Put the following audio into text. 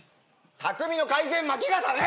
匠の海鮮巻き重ね！